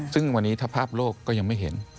ซึ่งวันนี้ถ้าภาพโลกก็ยังไม่เห็น